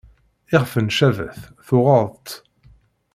Ixef n cbabat tuɣeḍ-t.